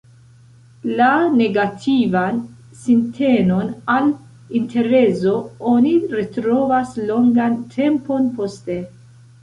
La negativan sintenon al interezo oni retrovas longan tempon poste.